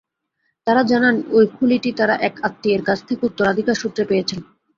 তাঁরা জানান, ওই খুলিটি তাঁরা এক আত্মীয়ের কাছ থেকে উত্তরাধিকারসূত্রে পেয়েছেন।